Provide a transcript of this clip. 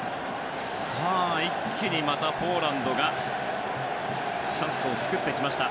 一気にポーランドがチャンスを作ってきました。